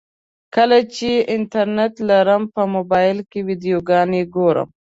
کله چې انټرنټ لرم په موبایل کې ویډیوګانې ګورم.